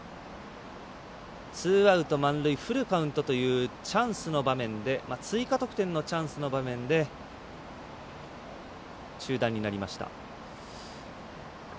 ツーアウト、満塁フルカウントという追加得点のチャンスの場面で中断になりました。